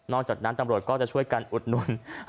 จากนั้นตำรวจก็จะช่วยกันอุดหนุน